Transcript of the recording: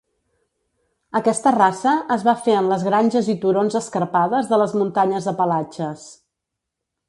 Aquesta raça es va fer en les granges i turons escarpades de les Muntanyes Apalatxes.